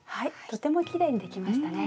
とてもきれいにできましたね。